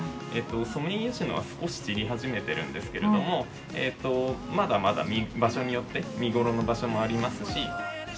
ソメイヨシノは少し散り始めてるんですけれどもまだまだ場所によって見ごろの場所もありますし。